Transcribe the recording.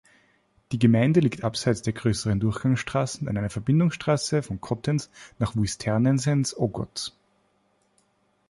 Die Gemeinde liegt abseits der grösseren Durchgangsstrassen an einer Verbindungsstrasse von Cottens nach Vuisternens-en-Ogoz.